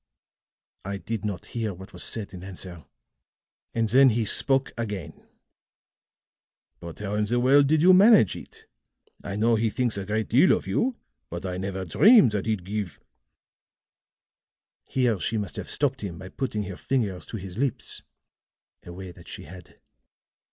"I did not hear what was said in answer; and then he spoke again. "'But how in the world did you manage it? I know he thinks a great deal of you, but I never dreamed that he'd give ' "Here she must have stopped him by putting her fingers to his lips, a way that she had.